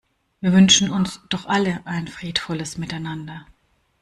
Wir wünschen uns doch alle ein friedvolles Miteinander.